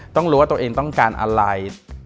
ต้องรู้ว่าตัวเองต้องการอะไร